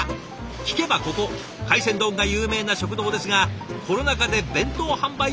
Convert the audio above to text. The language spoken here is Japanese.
聞けばここ海鮮丼が有名な食堂ですがコロナ禍で弁当販売もスタート。